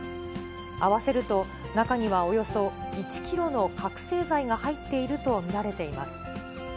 合わせると中にはおよそ１キロの覚醒剤が入っていると見られています。